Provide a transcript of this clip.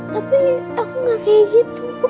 tapi aku nggak kayak gitu